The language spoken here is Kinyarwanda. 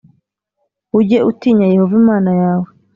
Ujye utinya Yehova Imana yawe.